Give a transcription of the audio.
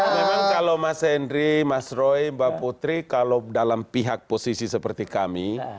memang kalau mas henry mas roy mbak putri kalau dalam pihak posisi seperti kami